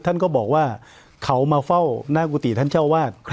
ท่านก็บอกว่าเขามาเฝ้าหน้ากุฏิท่านเจ้าวาด